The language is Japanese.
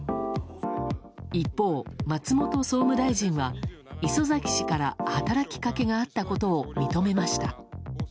一方、松本総務大臣は礒崎氏から働きかけがあったことを認めました。